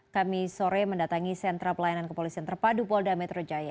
kami sore mendatangi sentra pelayanan kepolisian terpadu polda metro jaya